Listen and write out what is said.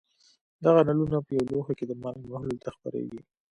دغه نلونه په یو لوښي کې د مالګې محلول ته خپرېږي.